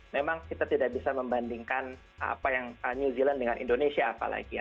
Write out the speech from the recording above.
memang kita tidak bisa membandingkan apa yang new zealand dengan indonesia apalagi ya